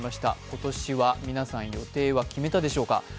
今年は皆さん予定は決めたでしょうか？